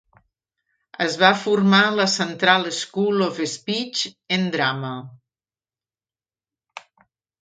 Es va formar a la Central School of Speech and Drama.